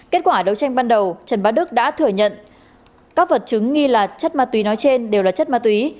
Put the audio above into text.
kết quả đấu tranh ban đầu trần bá đức đã thở nhận các vật chứng nghi là chất ma tùy nói trên đều là chất ma tùy